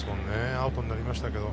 アウトになりましたけど。